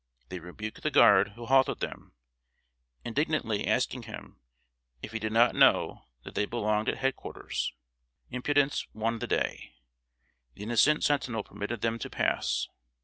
They rebuked the guard who halted them, indignantly asking him if he did not know that they belonged at head quarters! Impudence won the day. The innocent sentinel permitted them to pass.